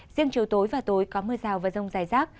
riêng chiều tối và tối có mưa rào và rông dài rác